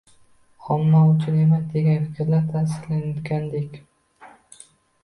omma uchun emas, degan fikrni tasdiqlayotgandek…